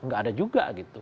nggak ada juga gitu